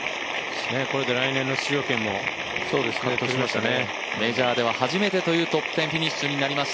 これで来年の出場権も獲得しましたね。